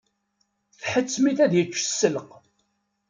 Tḥettem-it ad yečč sselq.